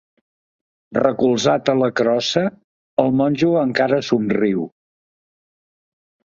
Recolzat a la crossa, el monjo encara somriu.